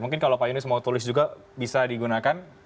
mungkin kalau pak yunus mau tulis juga bisa digunakan